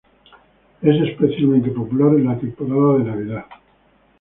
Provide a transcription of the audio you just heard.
Es especialmente popular en la temporada de Navidad.